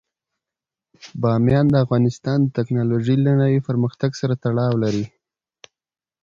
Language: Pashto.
بامیان د افغانستان د تکنالوژۍ له نوي پرمختګ سره تړاو لري.